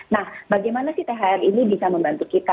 nah bagaimana sih thr ini bisa membantu kita